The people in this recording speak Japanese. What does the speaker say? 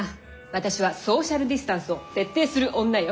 私はソーシャルディスタンスを徹底する女よ。